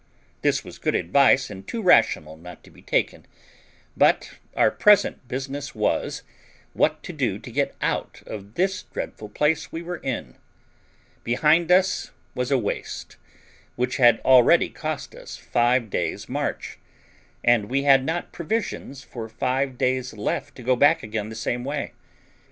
This was good advice, and too rational not to be taken; but our present business was, what to do to get out of this dreadful place we were in. Behind us was a waste, which had already cost us five days' march, and we had not provisions for five days left to go back again the same way.